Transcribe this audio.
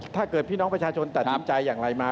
พี่น้องประชาชนตัดสินใจอย่างไรมา